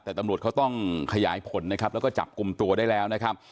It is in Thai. แต่ตำรวจเขาต้องขยายผลนะครับแล้วก็จับกลุ่มตัวได้แล้วนะครับ